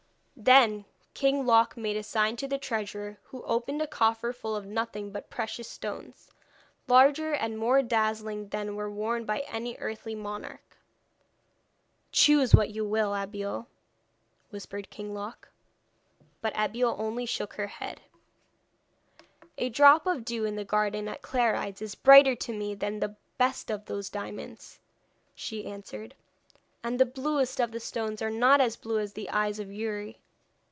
Then King Loc made a sign to the treasurer, who opened a coffer full of nothing but precious stones, larger and more dazzling than were worn by any earthly monarch. 'Choose what you will, Abeille,' whispered King Loc. But Abeille only shook her head. 'A drop of dew in the garden at Clarides is brighter to me than the best of those diamonds,' she answered, 'and the bluest of the stones are not as blue as the eyes of Youri.'